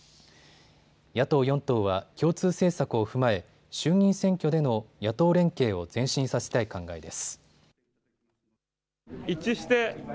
野党４党は共通政策を踏まえ衆議院選挙での野党連携を前進させたい考えです。